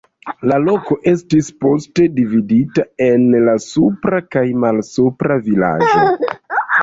La loko estis poste dividita en la supra kaj malsupra vilaĝo.